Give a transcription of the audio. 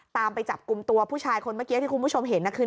ไปจับกลุ่มตัวผู้ชายคนเมื่อกี้ที่คุณผู้ชมเห็นนะคือ